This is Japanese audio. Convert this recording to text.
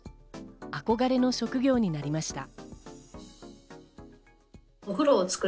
憧れの職業になりました。